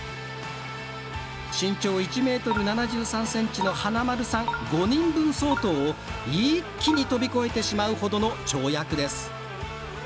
身長１ｍ７３ｃｍの華丸さん５人分相当を一気に飛び越えてしまうほどの跳躍です。